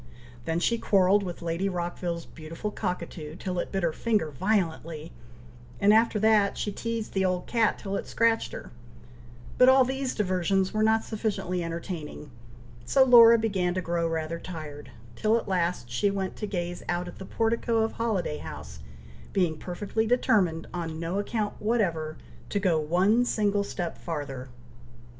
Then she quarrelled with Lady Rockville's beautiful cockatoo, till it bit her finger violently, and after that, she teazed the old cat till it scratched her; but all these diversions were not sufficiently entertaining, so Laura began to grow rather tired, till at last she went to gaze out at the portico of Holiday House, being perfectly determined, on no account whatever, to go one single step farther.